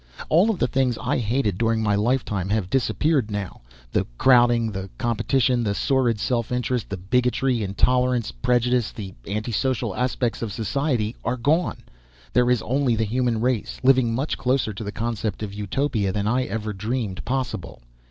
"All of the things I hated during my lifetime have disappeared now the crowding, the competition, the sordid self interest, the bigotry, intolerance, prejudice. The anti social aspects of society are gone. There is only the human race, living much closer to the concept of Utopia than I ever dreamed possible.